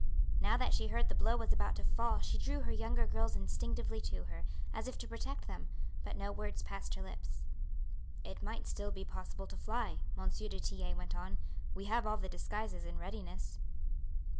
Now that she heard the blow was about to fall she drew her younger girls instinctively to her, as if to protect them, but no word passed her lips. "It might still be possible to fly," M. du Tillet went on. "We have all the disguises in readiness."